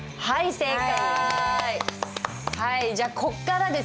正解！